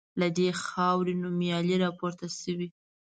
له دې خاوري نومیالي راپورته سوي